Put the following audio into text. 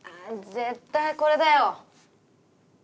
絶対これだよ。